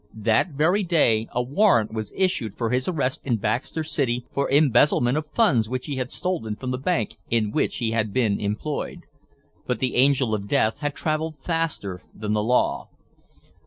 That very day a warrant was issued for his arrest in Baxter City for embezzlement of funds which he had stolen from the bank in which he had been employed. But the angel of death had traveled faster than the law.